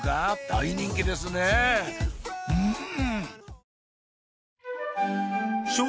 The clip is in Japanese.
大人気ですねん！